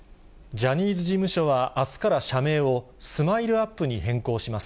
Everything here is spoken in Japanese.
ジャニーズ事務所はあすから社名をスマイルアップに変更します。